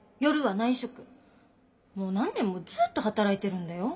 もう何年もずっと働いてるんだよ。